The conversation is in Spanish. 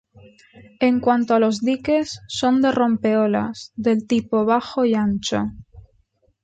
En cuanto a los diques, son de rompeolas, del tipo bajo y ancho.